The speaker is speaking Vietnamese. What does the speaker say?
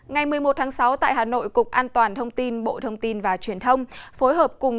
ngày một mươi một tháng sáu tại hà nội cục an toàn thông tin bộ thông tin và truyền thông phối hợp cùng